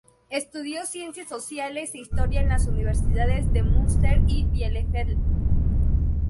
Estudió ciencias sociales e historia en las universidades de Münster y Bielefeld.